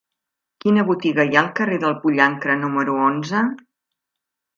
Quina botiga hi ha al carrer del Pollancre número onze?